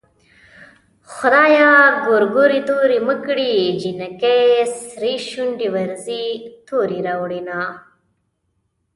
خدايه ګورګورې تورې مه کړې جنکۍ سرې شونډې ورځي تورې راوړينه